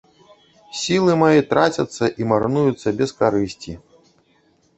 Сілы мае трацяцца і марнуюцца без карысці.